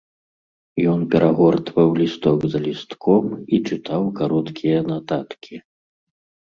Ён перагортваў лісток за лістком і чытаў кароткія нататкі.